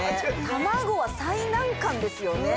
卵は最難関ですよね